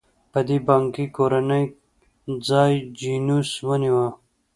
په دې بانکي کورنۍ ځای جینوس ونیوه.